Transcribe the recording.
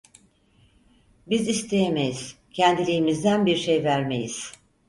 Biz isteyemeyiz, kendiliğimizden bir şey vermeyiz…